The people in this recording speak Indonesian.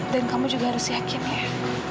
dan kamu juga harus yakin ya